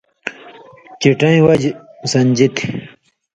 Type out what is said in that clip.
چِٹئیں وجہۡ سَن٘دُژیۡ تھی